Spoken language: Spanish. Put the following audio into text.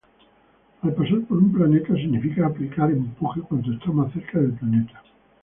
Al pasar por un planeta significa aplicar empuje cuando está más cerca del planeta.